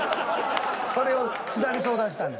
それを津田に相談したんだ。